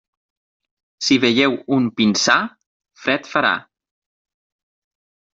Si veieu un pinsà, fred farà.